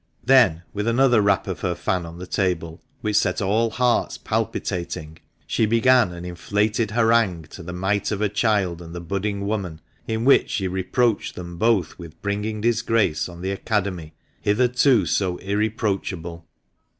Then with another rap of her fan on the table, which set all hearts palpitating, she began an inflated harangue to the mite of a child and the budding woman, in which she reproached them both with bringing disgrace on the "Academy," hitherto so irreproachable.